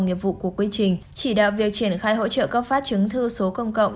nghiệp vụ của quy trình chỉ đạo việc triển khai hỗ trợ cấp phát chứng thư số công cộng